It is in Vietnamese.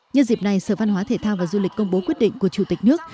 nhân dịp này sở văn hóa thể thao và du lịch công bố quyết định của chủ tịch nước